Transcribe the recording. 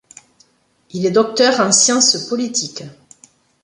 Il est Docteur en Sciences politiques.